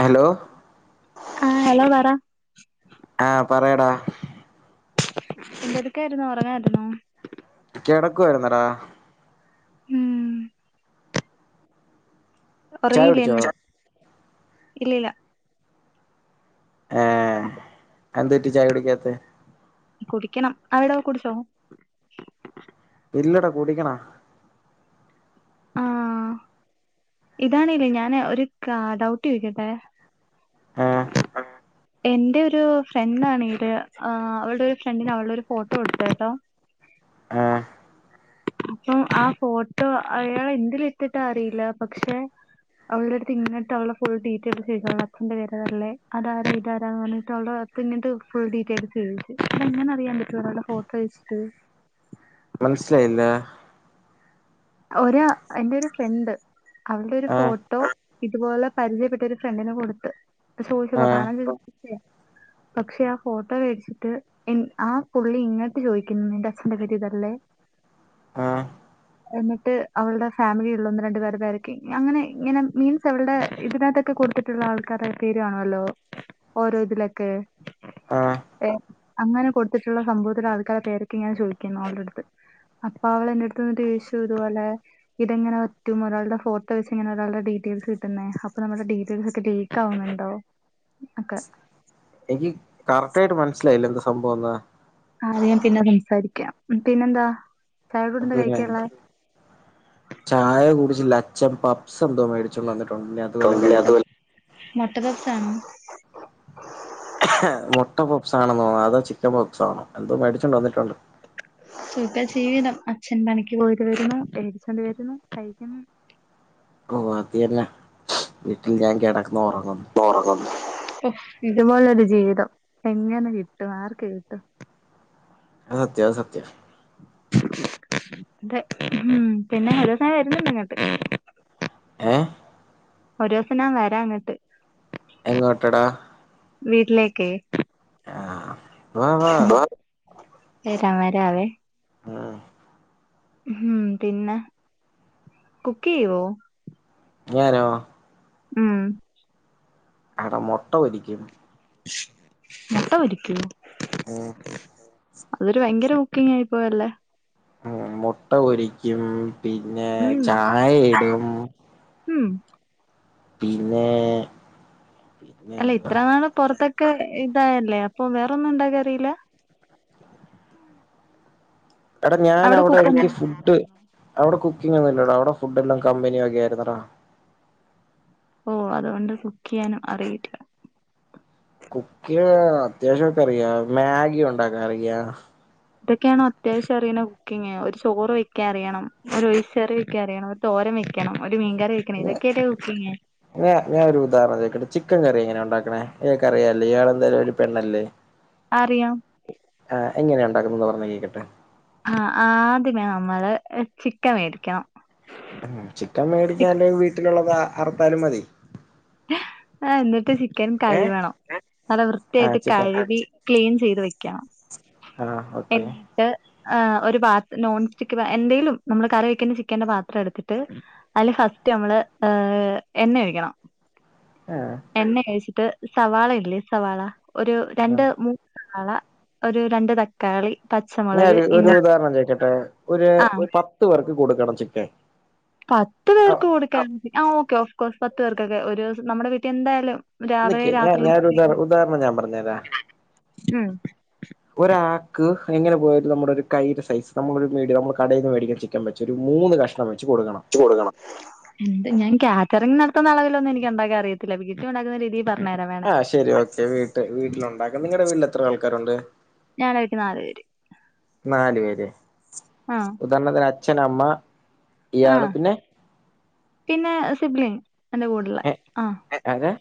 Hello ആഹ് hello പറ ആഹ് പറയടാ എന്തെടുക്കാരുന്നു ഒറങ്ങാരുന്നോ കിടക്കുവായിരുന്നടാ ഉം ചായ കുടിച്ചോ ഒറങ്ങീലേന്ന് ഇല്ലല്ല ആഹ് അഎന്ത് പറ്റി ചായ കുടിക്കാത്തെ കുടിക്കണം അവിടോ കുടിച്ചോ ഇല്ലടാ കുടിക്കണം ഇതാണ്ല്ലേ ഞാന് ഒരു ക്ലാ ഡൗട്ട് ചോയ്ക്കട്ടെ ഏഹ് എന്റെരു ഫ്രണ്ട് ആണ് ഇത് ആഹ് അവള്ടെ ഒരു ഫ്രണ്ടിന് അവളൊരു ഫോട്ടോ കൊടുത്തേട്ടോ ആഹ് അപ്പം ആ ഫോട്ടോ അയാളെന്തിലിട്ടിട്ടാ അറിയില്ല പക്ഷെ അവള്ടട്ത്ത് ഇങ്ങട്ടവള്ടെ ഫുൾ ഡീറ്റെയിൽസ് ചോയ്ക്കുന്നു നിന്റെ പേരതല്ലേ അതാരാ ഇതാരാ ന്ന് പറഞ്ഞിട്ട് അവള്ടെ ബാക്ക് എന്നിട്ട് ഫുൾ ഡീറ്റെൽസ് ചോദിച്ചു അതെങ്ങനെ അറിയാൻ പറ്റും ഒരാൾടെ ഫോട്ടോ വെച്ചിട്ട് മനസ്സ്ലായില്ല ഒരാ എന്റെ ഒരു ഫ്രണ്ട് അവള്ടെ ഒരു ഏഹ് ഫോട്ടോ ഇതുപോലെ പരിചയപ്പെട്ട ഒരു ഫ്രണ്ടിന് കൊട്ത്ത് പക്ഷെ [unintelligible] ഏഹ് കാണാൻ [unintelligible] പക്ഷെ ആ ഫോട്ടോ വേടിച്ചിട്ട് ഇൻ ആ പുള്ളി ഇങ്ങട്ട് ചോയ്ക്കുന്നു നിന്റെ ഹസ്ന്റെ പേര് ഇതല്ലേ ആഹ് എന്നിട്ട് അവള്ടെ ഫാമിലി ഇള്ള ഒന്ന് രണ്ട് പേരതാരക്കെ അങ്ങനെ ഇങ്ങനെ മീൻസ് അവള്ടെ ഇതിന് അകത്തൊക്കെ കൂട്തൽ കൊടുത്തി- ട്ടുള്ള ആൾക്കാരെ പേരു ആല്ലോ ഓരോതിലൊക്കെ ഏഹ് അങ്ങനെ കൊടുത്തിട്ടുള്ള സംഭവത്തില് ആൾക്കാരെ പേരൊക്കെ ഇങ്ങനെ ചോയ്ക്കുന്നു അവൾടെ അട്ത്ത് അപ്പ അവള് എന്റെട്ത്ത് വന്നിട്ട് യേശു ഇത്പോലെ ഇതെങ്ങനെ പറ്റും ഒരാളുടെ ഫോട്ടോ വെച്ച് ഇങ്ങന ഒരാളുടെ ഡീറ്റെയിൽസ് കിട്ടുന്നെ അപ്പൊ നമ്മുടെ ഡീറ്റെയിൽസ് ഒക്കെ ലീക്ക് ലീക്ക് ആവുന്നുണ്ടോ ഒക്കെ എനിക്ക് കറക്റ്റ് ആയിട്ട് മനസ്സിലായില്ല എന്താ സംഭവംന്ന് ആഹ് അത് ഞാൻ പിന്നെ സംസാരിക്കാം പിന്നെന്താ ചായ കൂടെ എന്താ പിന്നെ കഴിക്കാൻ ഇള്ളെ ചായ കുടിച്ചില്ല അച്ഛൻ പപ്പ്സ് എന്തോ മേടിച്ചോണ്ട് വന്നിട്ടുണ്ട് ഇനി അത് വല്ലോം കഴിക്കണം മൊട്ട പപ്സാണോ മുട്ട പപ്സാണ്ന്നോ അതോ ചിക്കൻ പപ്സാണോ എന്തോ മേടിച്ചോണ്ട് വന്നിട്ടുണ്ട് സുഖ ജീവിതം അച്ഛൻ പണിക്ക് പോയിട്ട് വരുന്നു വേടിച്ചോണ്ട് വരുന്നു കഴിക്കുന്നു ഓഹ് അത്എന്നെ വീട്ടിൽ ഞാൻ കെടന്നൊറങ്ങുന്നു ഒറങ്ങുന്നു ഓഹ് ഇതുപോലെ ഒരു ജീവിതം എങ്ങനെ കിട്ടും ആർക്ക് കിട്ടും അത് സത്യാ അത് സത്യാ അതെ മ് പിന്നെന്നൊരൂസം ഞാൻ വര്ഞ്ണ്ട് അങ്ങട്ട് ഏഹ് ഒരൂസം ഞാൻ വരാ അങ്ങട്ട് എങ്ങോട്ടടാ വീട്ടിലെക്കേ ആഹ് വാ വാ ശുഭാ വരാം വരാവേ ആഹ് ഉം പിന്നെ കുക്കെയ്യോ ഞാനോ ഉം അടെ മൊട്ട പൊരിക്കും മൊട്ട പൊരിക്കോ മ് അതൊരു വയങ്കര കുക്കിങ് ആയി പോയല്ലോ മ് മുട്ട പൊരിക്കും പിന്നെ ഉം ചായ ഇടും ഉം പിന്നെ പിന്നെ അല്ല എന്തുവാ ഇത്ര നാളും പൊറത്തൊക്കെ ഇതായല്ലേ അപ്പൊ വേറൊന്നും ഇണ്ടാക്കാൻ അറിയില്ല. മ്മ് എടാ ഞാൻ അവിടെ എനിക്ക് ഫുഡ് അവിടെ കുക്കിംങ്ങോന്നുല്ലടാ അവിടെ ഫുഡെല്ലാം കമ്പിനിവക ആയിരുന്നെടാ ഓഹ് അതുകൊണ്ട് കുക്കെയ്യാനും അറിയിടില്ല കുക്കിങ്‌ ആത്യാവശ്യക്കെ അറിയാ മാഗി ഉണ്ടാക്കാ അറിയാ ഇതൊക്കെയാണോ അത്യാവശം അറിയുന്ന കുക്കിംഗ് ഒരു ചോറ് വെക്കാൻ അറിയണം ഒരു ഒഴിച്ചറി വെക്കാൻ അറിയണം തോരം വെക്കണം ഒരു മീൻകറി വെക്കണം ഇതൊക്കെല്ലേ കുക്കിങ്ങ് ന്നാ ഞാനോരു ഉദാഹരണം ചെയ്ക്കെട്ടെ ചിക്കൻ കറി എങ്ങനെ ഉണ്ടാക്ക്ണേ ഇയാക്കറിയാല്ലോ ഇയാള് എന്തായാലൊര് പെണ്ണല്ലേ അറിയാം ആഹ് എങ്ങനെ ഉണ്ടാക്കുന്നേന്ന് പറഞ്ഞ കേക്കട്ടെ ആഹ് ആദ്യമേ നമ്മള് ചിക്കൻ വേടിക്കണം ഉം ചിക്കൻ മേടിക്കാ അല്ലേ വീട്ടിലുള്ളത് അറ്ത്താലും മതി ആഹ് എന്നിട്ട് ചിക്കൻ ഏഹ് കാഴുവണം നല്ല ആഹ് വൃത്തിയായിട്ട് ചിക്കൻ കഴ്കി ക്ലീൻ ചെയ്ത് വെക്കണം ആഹ് ഓക്കെ എന്നിട്ട് ഒരു പാ നോൺ സ്റ്റിക്ക് എന്തേലും നമ്മള് കറി വെക്ക്ന്ന ചിക്കന്റെ പാത്രം എട്ത്തിട്ട് ഉം അയില് ഫസ്റ്റ് നമ്മള് ഏ എണ്ണ ഒഴിക്കണം ആഹ് എണ്ണ ഓഴിച്ചിട്ട് സവാള ഇല്ലേ സവാള ഒരു രണ്ട് ആഹ് മൂ സവാള ഒരു രണ്ട് തക്ക ക്കാളി പച്ച ഞാനോരു ഒരു ഉദാരണം ചേയിക്കട്ടെ ഒരു ആഹ് പത്ത് പേർക്ക് കൊട്ക്കണം ചിക്കൻ പത്ത് ആഹ് പേർക്ക് കൊടുക്കാൻ ആഹ് ഓക്കെ ഓഫ് കോസ് പത്ത് പേർക്കൊക്കെ ഒരുസം നമ്മടെ വീട്ടിൽ എന്തായാലും രാവിലെ നിക്ക് ഞാൻ രാത്രിലും [inaudible] ഞാനൊരു ഉദാ ഉദാഹരണം ഞാൻ പറഞ്ഞരാ ഉം ഒരാക്ക് എങ്ങനെ പോയാലും നമ്മുടോര് കൈയുടെ സൈസ് നമ്മളെ ഒരു മീഡിയ നമ്മള് കടേന്ന് വേടിക്കുന്ന ചി ക്കൻ വെച്ച് ഒരു മൂന്ന് കഷ്ണം വെച്ച് കൊട്ക്കണം കൊട്ക്കണം എന്ത് ഞാന് കാറ്ററിങ് നടത്ത്ന്നളവിലൊന്നും എനിക്ക് ഉണ്ടാക്കാൻ അറിയത്തില്ല വീട്ടി ഉണ്ടാക്കുന്ന രീതീ പറഞ്ഞെരാ വേ ആഹ് ശരി ഓക്കെ വീട്ട് വീട്ടിലുണ്ടാക്കുന്ന നിങ്ങടെ വീട്ടില് എത്ര ആള്ക്കാരുണ്ട് ഞായറായിട്ട് നാല് പേര് നാല് പേര് ആഹ് ഉദാരണത്തിന് അച്ഛനമ്മ ആഹ് പിന്നെ സിബ്ലിങ് എന്റെ കൂടെള്ള ഏഹ് ആഹ് ആരാ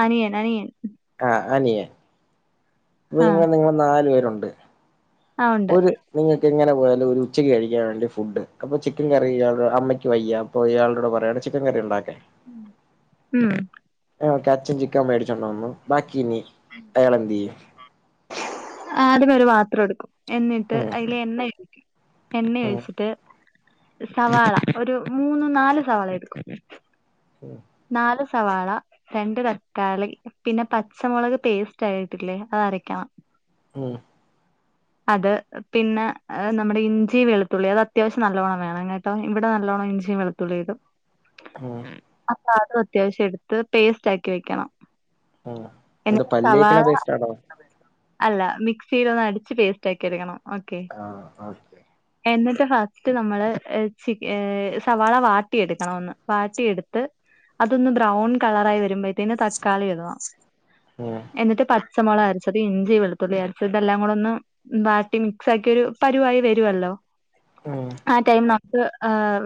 അനിയൻ അനിയൻ ആഹ് അനിയൻ ആഹ് നിങ്ങൾ നിങ്ങൾ നാല് പേരുണ്ട് ആഹ് ഉണ്ട് ഒരു നിങ്ങക്ക് എങ്ങനെ പോയാലു ഒരു ഉച്ചയ്ക്ക് കഴിക്കാൻ വേണ്ടി ഫുഡ് അപ്പൊ ചിക്കൻ കറി ഇയാളുടെ അമ്മയ്ക്ക് വയ്യാ അപ്പോ ഇയാളൊടുടെ പറയാണ് ചിക്കൻ കറി ഉണ്ടാക്കാൻ ഉം ഉം ഒക്കെ അച്ഛൻ ചിക്കൻ മേടിച്ചോണ്ടോന്നു ബാക്കി ഇനി അയാൾ എന്തെയ്യും ആദ്യമേ ഒരു പാത്രട്ക്കും എന്നിട്ട് ഉം അയില് എണ്ണ എണ്ണ ഉം ഒഴിച്ചിട്ട് സവാള ഒരു മൂന്ന് നാല് സവാള എട്ക്കും ഉം നാല് സവാള രണ്ട് തക്കാളി പിന്നെ പച്ചമൊളക് പേസ്റ്റ് ആയിട്ടില്ലേ അത് അരക്കണം ഉം അത് പിന്നെ നമ്മടെ ഇഞ്ചി വെള്ത്തുള്ളി അത് അത്യാവശ്യം നല്ലോണ്ണം വേണം കേ ട്ടോ ഇവടെ നല്ലോണം ഇഞ്ചിയും വെളുത്തുള്ളിയിടും ഉം അപ്പൊ അതും അത്യാവശ്യം എട്ത്ത് പേസ്റ്റാക്കി വെക്കണം ഉം ഇത് എന്നിട്ട് പല്ലേക്ക്ണ സവാള പേസ്റ്റാണോ അല്ല മിക്സിലൊന്ന് അടിച്ച് പേസ്റ്റാക്കി എട്ക്കണം ഓക്കെ ആഹ് ഓക്കെ എന്നിട്ട് ഫസ്റ്റ് നമ്മള് സവാള വാട്ടിയെടുക്കണമന്ന് വാട്ടിയ എടുത്ത് അതൊന്ന് ബ്രൗൺ കളറായി വരുമ്പോഴത്തേന് തക്കാളി ഇടണം ഉം എന്നിട്ട് ത ച്ചമൊളക് അരച്ചത് ഇഞ്ചി വെളുത്തുള്ളിഅരച്ചത് ഇതെല്ലാംകൂടെ ഒന്ന് ബാട്ടി മിക്സ്ആക്കിയൊരു പരുവായി വരുവല്ലോ ആഹ് ആ ടൈം നമുക്ക്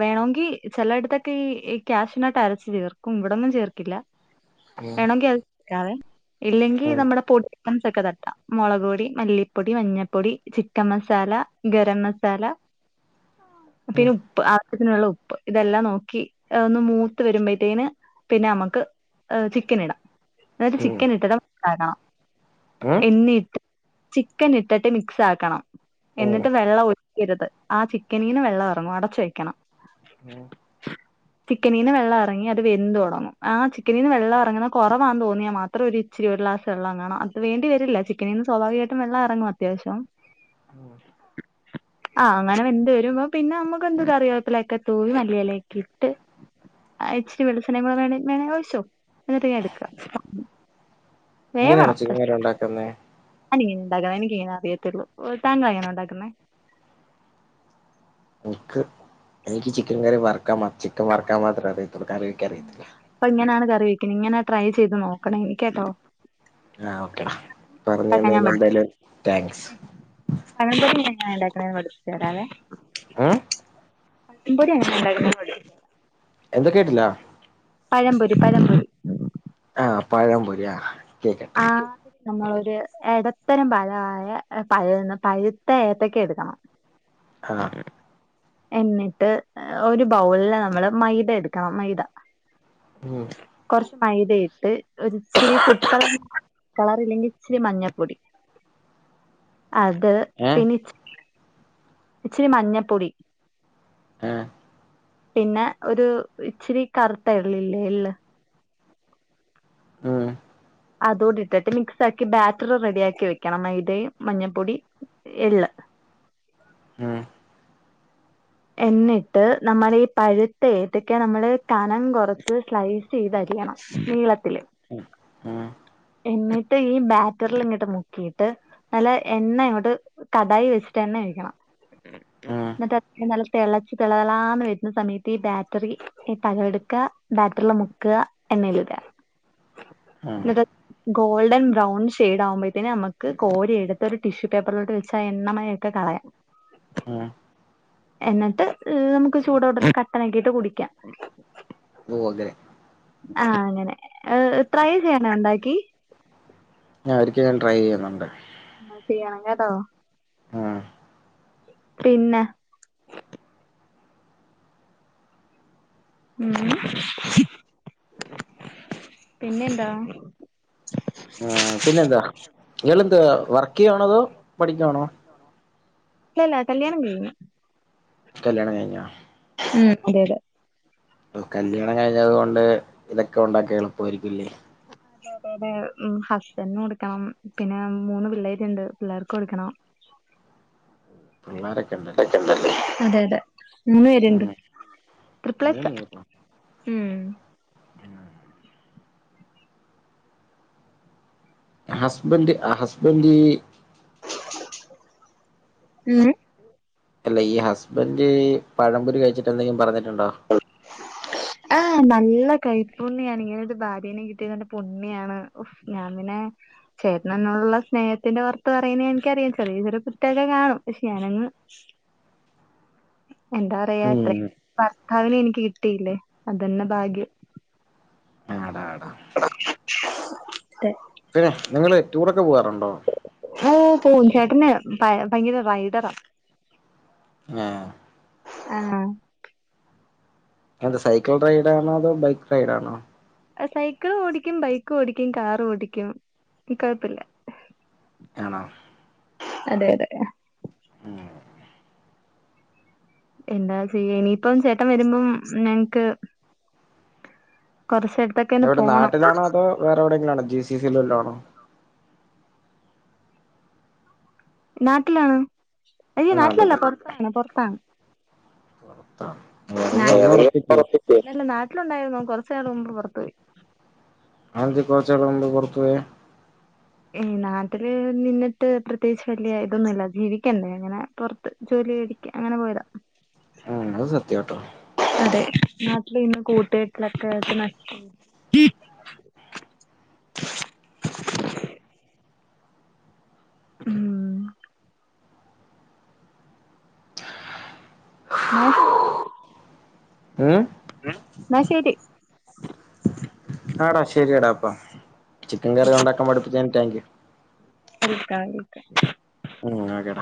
വേണോങ്കി ചെലയിടത്തൊക്കെ ഈ ക്യാഷ്നട്ട് അരച്ച്ചേർക്കും ഇവിടൊന്നുംചേർക്കില്ല ഉം വേണോങ്കിഅഹ് ക്കാവേ ഇല്ലെങ്കി ഉം നമ്മുടെ പൊടി ഐറ്റംസ് ഒക്കെതട്ടാം മുളക്ക്പൊടി മല്ലി പൊടി മഞ്ഞപ്പൊടി ചിക്കൻ മസാല ഗരമസാല ഉം ഉം പിന്നഉപ്പ് അഹ് ആവശ്യതിനുള്ളഉപ്പ് ഇതെല്ലാം നോക്കി ഒന്ന് മൂത്ത് വെരുമ്പേഴ്ത്തേന് പിന്നെഅമ്മക്ക് ഏഹ് ചിക്കനിട എന്നിട്ട് ഉം ചിക്കന്ഇട്ടതും ഏളക്കണം [unintelligible] എന്നിട്ട് ചിക്കനിട്ടിട്ട്മിക്സാക്കണം എന്നിട്ട് ഉം വെള്ളം ഇരുത് ആ ചിക്കനീന്ന് വെള്ളംഎറങ്ങും അടച്ച് വെയ്ക്കണം ഓഹ് ചിക്കനീന്ന് വെള്ളംഎറങ്ങി അത് വെന്തൊടങ്ങു ആ ചിക്കനീന്ന് വെള്ളംറങ്ങ്ണ കുറവാന്ന്തോന്നിയാ മാത്രം മാത്രഒരുഇച്ചിരി ഒരു ഗ്ലാസ്‌ വെള്ളംകാണ അത് വേണ്ടിവരില്ല ചിക്കനീന്ന് സ്വാഭാവി ട്ടുംവെള്ളറങ്ങും അത്യാവിശ്യം ആഹ് അങ്ങനെ വെന്ത് വരുമ്പോ പിന്നെ നമ്മക്ക് എന്തുംകറിവേപ്പിലയൊക്കെ തൂകിമല്ലിയലേകിട്ട് ആഹ് ഇച്ചിരി വെളിച്ചെണ്ണയുകൂടെ വേണ വേണേങ്കി ഒഴിച്ചോ എന്നിട്ട് ഇങ്ങ്എടുക്ക ഇങ്ങനെയണോ ചിക്കൻകറി ഉണ്ടാക്കുന്നേ ഞാൻ ഇങ്ങനെയാ ഇണ്ടാക്ക എനിക്കിങ്ങനഅറിയത്തൊള്ളൂ താങ്കളങ്ങനെ ഉണ്ടാക്കുന്നേ ഇൻക്ക് എനിക്ക് ചിക്കൻ കറി വറക്കാം മാചിക്കൻ വറക്കാൻ മാത്രഅറിയത്തൊള്ളൂ കറിവെക്കാൻ അറിയത്തില്ല പ്പംഇങ്ങനാണ് കറിവെയ്ക്കുന്നേ ഇങ്ങനെ ട്രൈചെയ്ത് നോക്കണേ എനിക്കാട്ടോ ആ ഓക്കേടാ പറഞ്ഞു ഉണ്ടാക്കാൻ ഞാൻ തന്നതിന് പഠിപ്പിച്ചു എന്തായാലും ടേങ്ക്സ് തരാം പഴംപൊരി പിന്നെ എങ്ങനെഇണ്ടാക്ക്ണേന്ന് പഠിപ്പിച്ച്തരാവേ ഏഹ് പഴംപൊരി എങ്ങനെ ഇണ്ടാകുന്നതന്ന് പഠിപ്പിച്ച് എന്ത കേട്ടില്ല പഴംപൊരി പഴംപൊരി ആഹ് പഴംപൊരി ആഹ് കേക്കട്ടെ ആദ്യം നമ്മളൊരു എടത്തരംപാകയാ പഴന്ന പഴുത്തെ ഏത്തക്കഎടുക്കണം ആഹ് എന്നിട്ട് ഒരുബൗളില് നമ്മള് മൈദഎടുക്കണം മൈദ ഉം കുറച്ച്മൈദയിട്ട് ഒരിച്ചിരി ഫുഡ്കളർ കളർല്ലെങ്കിഇച്ചിരി മഞ്ഞപ്പൊടി അത് ഏ പിന്ന ഇച്ചിരിമഞ്ഞപ്പൊടി ആഹ് പിന്നെ ഒരു ഇച്ചിരികറുത്തഎള്ളില്ലേ എള്ള് ഉം അതോടിട്ടിട്ട് മിക്സ്ആക്കി ബാറ്ററ് റെഡിയാക്കിവെക്കണം മൈദയും മഞ്ഞപ്പൊടി എള്ള് ഉം എന്നിട്ട് നമ്മള്ഈ പഴുത്തഏത്തക്ക നമ്മള് കനംകുറച്ച് സ്ലൈസ് ചെയ്തരിയണം നീളത്തില് ഉം ഉം എന്നിട്ട് ഈ ബാറ്റർള്ഇങ്ങട്ട് മുക്കിയിട്ട് നല്ല എണ്ണ ഇങ്ങോട്ട് കടായിവെച്ചിട്ട് എണ്ണഒഴിക്കണം ഉം ന്നിട്ട് അ ത് നല്ലതെളച്ച് തെളതെളാന്ന് വെരുന്നസമയത്ത് ഈ ബാറ്ററി ഈതലയെടുക്കാ ബാറ്റർള് മുക്കാ എണ്ണയിലിടാ ഉം ന്നട്ടഅഹ് ഗോൾഡൺ ബ്രൗൺ ഷെടാകുമ്പോഴത്തേക്കും നമുക്ക് കോരി എടുത്ത ഒരു ടിഷ്യൂ പേപ്പറിലോട്ട് വെച്ച ആ എണ്ണമയൊക്കെ കളയാം ആഹ് എന്നിട്ട് നമുക്ക് ചൂടൊടെ കട്ട നുണ്ടാക്കിട്ട് കുടിക്കാം ഓ അങ്ങനെ ആഹ് അങ്ങനെ ട്രൈ ചെയ്യന ഉണ്ടാക്കി ഞാൻ ഒരിക്കെ ട്രൈ ചെയ്യുന്നുണ്ട് ചെയ്യണം കേട്ടോ ആഹ് പിന്നെ ഉം പിന്നെ എന്താ ളം പിന്നെന്താ ഇയാൾ എന്താ വർക്ക് ചെയ്യ്വാണോ അതോ പഠിക്കുവാണോ ഇല്ലല്ല കല്യാണം കഴിഞ്ഞു കല്യാണം കഴിഞ്ഞാ ഉം അതെതെ അപ്പ കല്യാണം കഴിഞ്ഞത് കൊണ്ട് ഇതൊക്കെ ഉണ്ടാക്കി എളുപ്പമായിരിക്കുംല്ലേ ആ അതെ ടെ ഹസ്ബൻഡന് കൊടുക്കണം പിന്നെ മൂന്ന് പിള്ളേരുണ്ട് പിള്ളേർക്കും കൊടുക്കണം പിള്ളേരൊക്കെണ്ടോ അതെ അതെ മൂന്ന് ഉം പേരുണ്ട് ട്രിപ്പിൾസ മൂന്ന് പേരുണ്ടോ ഉം ഹസ്ബൻഡ് ഹസ്ബൻഡി ഉം അല്ല ഈ ഹസ്ബൻഡ് പഴംപൊരി കഴിച്ചിട്ട് എന്തെങ്കിലും പറഞ്ഞിട്ടുണ്ടോ ഉ ആ നല്ല കൈപ്പുണ്യാണ് ഇങ്ങനെ ഒരു ഭാര്യനെയും കിട്ടിയത് പുണ്യാണ് ഞാൻ പിന്നെ ചേട്ടന് എന്നോടുള്ള സ്നേഹത്തിന്റെ പുറത്ത് പറയുന്നതാണ് എനിക്കറിയാം ചെറിയ ചെറിയ തെറ്റൊക്കെ കാണും പക്ഷെ ഞാനങ്ങ് എന്താ പറയാ എത്ര ഉം ഭർത്താവിനെ എനിക്ക് കിട്ടിയില്ലേ അതന്നെ ഭാഗ്യം ആടാ ആടാ [inaudible] പിന്നെ നിങ്ങള് ടൂറൊക്കെ പോവാറുണ്ടോ ഏ പൂവും ചേട്ടന് ഭയങ്കര റൈഡറാണ് ആഹ് ആഹ് എന്ത സൈക്കിൾ റൈഡ് ആണോ അതോ ബൈക്ക് റൈഡ് ആണോ സൈക്കിള് ഓടിക്കും ബൈക്ക് ഓടിക്കും കാറ് ഓടിക്കും കൊഴപ്പില്ല ആണൊ അതെ അതെ ആഹ് എന്താ ചെയ്യ ഇനിയിപ്പം ചേട്ടൻ വരുമ്പം ഞങ്ങക്ക് കൊർച്ചെരത്തെ എവിടെ നാട്ടിലാണോ അതോ വേറെ വേറെവിടെങ്കിലും ആണോ ജിസി സിയില വല്ല ആണോ നാട്ടിലാണ് അയ്യോ നാട്ടിലല്ല നാട്ടിലാ പുറത്താണ് പുറത്താണ് അ ഏതെങ്കും ഒന്ന് ഉറപ്പിക്കേ അല്ല നാട്ടിലുണ്ടായിരുന്നു കുറച്ചുനാൾ മുമ്പ് പുറത്ത് പോയി ആ എന്തെ കൊറച്ച് നാൾ മുമ്പെ പുറത്തുപോയെ ഏ നാട്ടില് നിന്നിട്ട് പ്രത്യേകിച്ച് വല്യ ഇതൊന്നുമില്ല ജീവിക്കണ്ടേ അങ്ങനെ പുറത്ത് ജോലി തേടി അങ്ങനെ പോയത ഉം അഹ് സത്യാട്ടൊ അതെ നാട്ട്ല് ഇന്ന് കൂട്ട്കെട്ടിലൊക്കെ നഷ്ച്ചോവും. ഉം നാ കേക്ക് ഏഹ് ഹേ ന്ന ശരി ആടാ ശരിയാടാ അപ്പ ചിക്കൻ കറി ഉണ്ടാക്കാൻ പഠിപ്പിച്ചേന് താങ്ക് യു. തിക്കാ [unintelligible] ഉം ങ്ങാ കെട